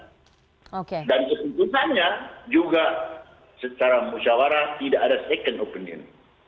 dan kesimpulannya juga secara musyawarah tidak ada second opinion